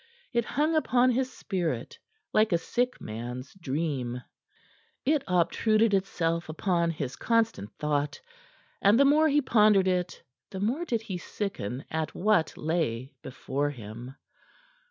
It hung upon his spirit like a sick man's dream. It obtruded itself upon his constant thought, and the more he pondered it the more did he sicken at what lay before him.